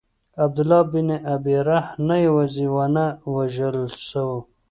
عبدالله بن ابی سرح نه یوازي ونه وژل سو.